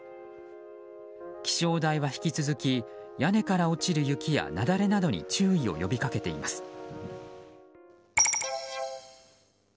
気象台は引き続き屋根から落ちる雪や雪崩などに注意を呼びかけています。